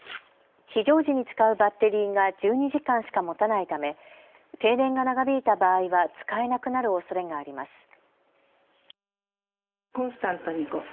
非常時に使うバッテリーが１２時間しかもたないため、停電が長引いた場合は使えなくなるおそれがあります。